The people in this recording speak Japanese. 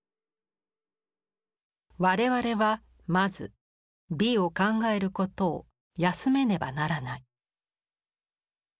「吾々は先づ美を考へることを休めねばならない」。